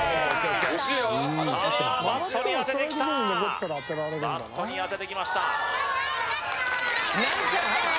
さあバットに当ててきたバットに当ててきました